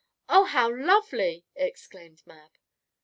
"Oh, how lovely!" exclaimed Mab.